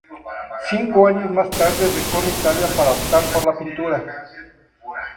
Cinco años más tarde recorre Italia para optar por la pintura.